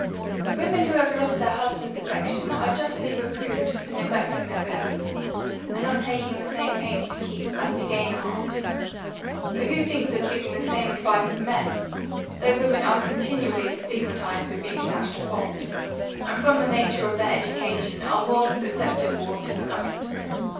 "Women who have lost their husband's affection, are justly reproved for neglecting their persons, and not taking the same pains to keep, as to gain a heart; but who thinks of giving the same advice to men, though women are continually stigmatized for being attached to fops; and from the nature of their education, are more susceptible of disgust?